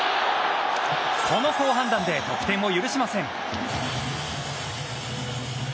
この好判断で得点を許しません。